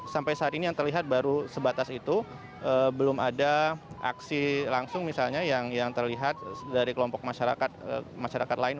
sampai saat ini yang terlihat baru sebatas itu belum ada aksi langsung misalnya yang terlihat dari kelompok masyarakat lain